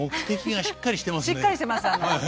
しっかりしてます。